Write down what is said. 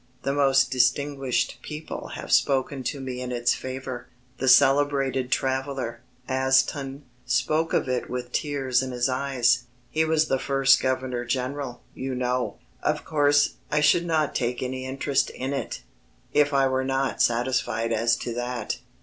The most distinguished people have spoken to me in its favour. The celebrated traveller, Aston, spoke of it with tears in his eyes. He was the first governor general, you know. Of course I should not take any interest in it, if I were not satisfied as to that.